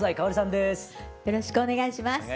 よろしくお願いします。